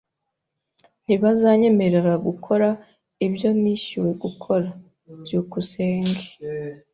Ntibazanyemerera gukora ibyo nishyuwe gukora. byukusenge